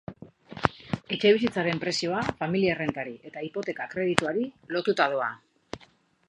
Etxebizitzaren prezioa famili errentari eta hipoteka-kredituari lotuta doa.